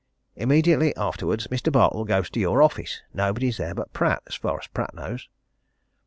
Immediately afterwards Mr. Bartle goes to your office. Nobody is there but Pratt as far as Pratt knows.